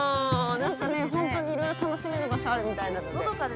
何か本当にいろいろ楽しめる場所があるみたいなので。